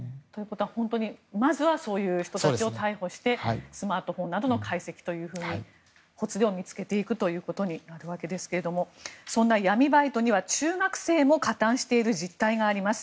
本当にまずそういう人たちを逮捕してスマートフォンなどの解析というふうにほつれを見つけていくということになるわけですけどそんな闇バイトには中学生も加担している実態があります。